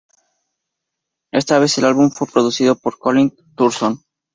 Esta vez, el álbum fue producido por Colin Thurston.